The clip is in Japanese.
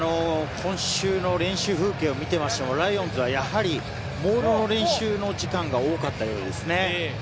今春の連休風景を見ていてもライオンズはやはりモールの練習の時間が多かったようですね。